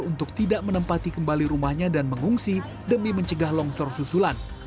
untuk tidak menempati kembali rumahnya dan mengungsi demi mencegah longsor susulan